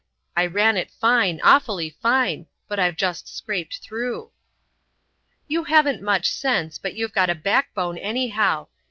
"I ran it fine, awfully fine, but I've just scraped through." "You haven't much sense, but you've got a backbone, anyhow.